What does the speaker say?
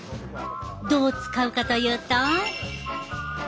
どう使うかというと。